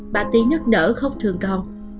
bà tý nức nở không thường còn